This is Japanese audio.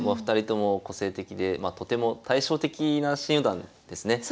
２人とも個性的でとても対照的な新四段ですね。